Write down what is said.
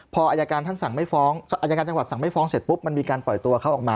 พออายการจังหวัดสั่งไม่ฟ้องเสร็จปุ๊บมันมีการปล่อยตัวเขาออกมา